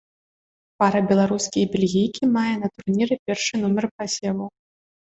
Пара беларускі і бельгійкі мае на турніры першы нумар пасеву.